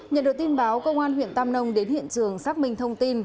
nhận được tin báo công an huyện tam nông đến hiện trường xác minh thông tin